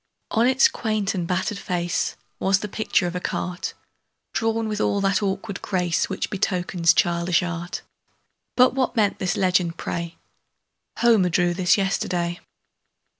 On its quaint and battered face Was the picture of a cart, Drawn with all that awkward grace Which betokens childish art; But what meant this legend, pray: "Homer drew this yesterday?"